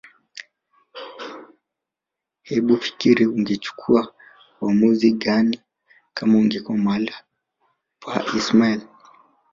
Hebufikiri ungechukua uamuzi gani kama ungekuwa mahala pa ismail